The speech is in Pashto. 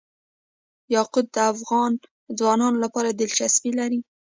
یاقوت د افغان ځوانانو لپاره دلچسپي لري.